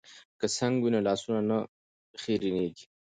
که سنک وي نو لاسونه نه خیرنیږي.